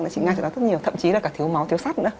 chị ngăn cho nó rất nhiều thậm chí là cả thiếu máu thiếu sắt nữa